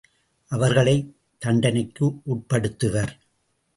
அவர்களைத் தண்டனைக்கு உட்படுத்துவர்.